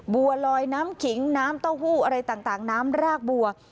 บัวลอยน้ำขิงน้ำเต้าหู้อะไรต่างน้ำรากบัว